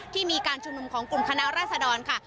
ที่มีการจุมนุมของกลุ่มคณะราชดอนค่ะ